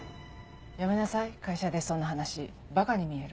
やめなさい会社でそんな話ばかに見える。